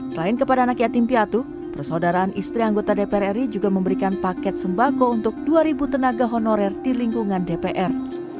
selain kepada anak yatim piatu persaudaraan istri anggota dpr ri juga memberikan paket sembako untuk dua tenaga honorer di lingkungan dpr